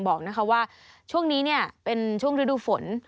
บอกว่าช่วงนี้เป็นช่วงฤดูฝน